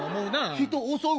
人襲う？